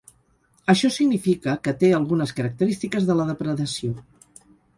Això significa que té algunes característiques de la depredació.